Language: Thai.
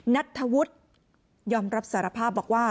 นัทธวุฒิยอมรับสารภาพบอกว่า